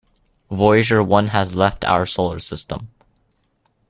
Voyager One has left our solar system.